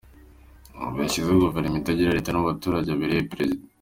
Ubu yashyizeho Guverinoma itagira Leta n’abaturage abereye Perezida.